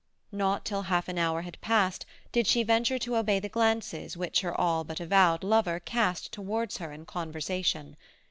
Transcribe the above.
Not till half an hour had passed did she venture to obey the glances which her all but avowed lover cast towards her in conversation.